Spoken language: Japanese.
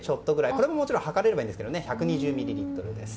これももちろん量れればいいんですが１２０ミリリットルです。